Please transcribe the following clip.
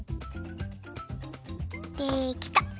できた！